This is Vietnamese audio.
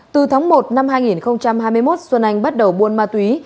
từ tháng một năm hai nghìn hai mươi một xuân anh bắt đầu buôn ma túy